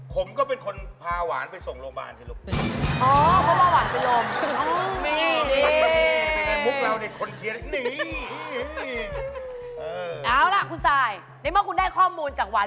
ผมก็เป็นคนพาหวานไปส่งโรงบาล